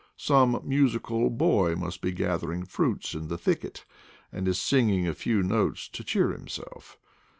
Some musical boy must be gathering fruits in the thicket, and is singing a few notes to cheer him self.